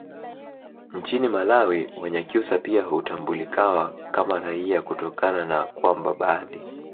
nchini malawi wanyakyusa pia hutambulikawa kama raia kutokana na kwamba baadhi